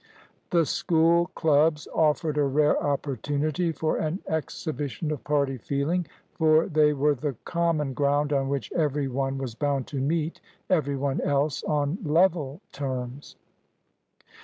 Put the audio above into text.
The School clubs offered a rare opportunity for an exhibition of party feeling, for they were the common ground on which every one was bound to meet every one else on level terms.